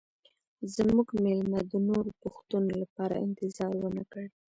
زموږ میلمه د نورو پوښتنو لپاره انتظار ونه کړ